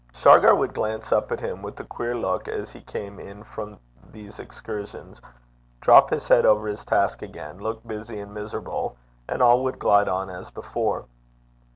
Shargar would glance up at him with a queer look as he came in from these excursions, drop his head over his task again, look busy and miserable, and all would glide on as before.